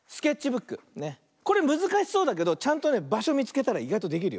これむずかしそうだけどちゃんとねばしょみつけたらいがいとできるよ。